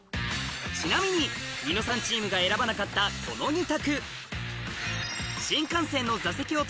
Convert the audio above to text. ちなみにニノさんチームが選ばなかったこの２択